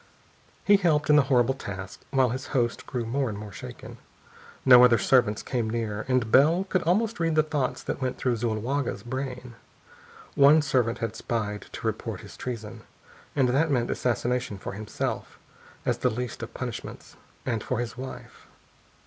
He helped in the horrible task, while his host grew more and more shaken. No other servants came near. And Bell could almost read the thoughts that went through Zuloaga's brain. One servant had spied, to report his treason. And that meant assassination for himself, as the least of punishments, and for his wife....